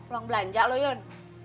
luang belanja lo yun